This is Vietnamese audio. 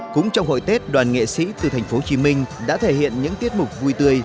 cũng trong hội tết đoàn nghệ sĩ từ thành phố hồ chí minh đã thể hiện những tiết mục vui tươi